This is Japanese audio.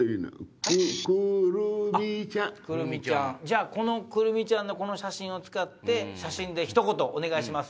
くるみちゃん。じゃあくるみちゃんのこの写真を使って写真でひと言お願いします